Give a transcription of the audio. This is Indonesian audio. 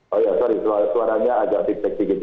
oh ya sorry suaranya agak tip tip gitu